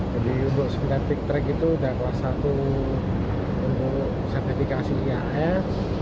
jadi untuk spediatik track itu sudah kelas satu untuk sertifikasi ias